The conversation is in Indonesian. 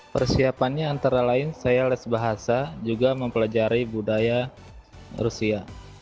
persiapannya antara lain saya les bahasa juga mempelajari budaya rusia